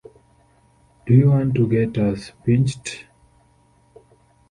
Do you want to get us pinched?